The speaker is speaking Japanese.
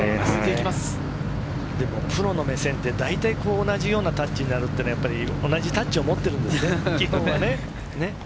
プロの目線で大体同じようなタッチになるのは同じタッチを持ってるんですね。